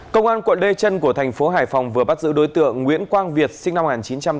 công an quận lê trân của thành phố hải phòng vừa bắt giữ đối tượng nguyễn quang việt sinh năm một nghìn chín trăm tám mươi